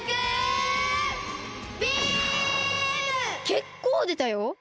けっこうでたよ？